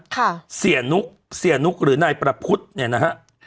เสียนุกเสียนุกหรือนายประพุทธเนี่ยนะฮะ